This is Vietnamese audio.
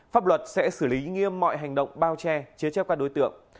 pháp luật sẽ xử lý nghiêm mọi hành động bao che chế chấp các đối tượng